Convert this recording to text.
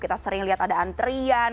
kita sering lihat ada antrian